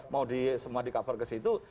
mau semua di cover ke situ